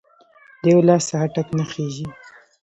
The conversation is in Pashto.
د یو لاس څخه ټک نه خیژي